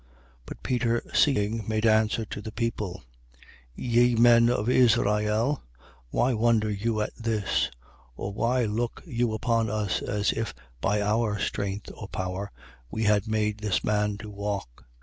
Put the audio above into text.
But Peter seeing, made answer to the people: Ye men of Israel, why wonder you at this? Or why look you upon us, as if by our strength or power we had made this man to walk?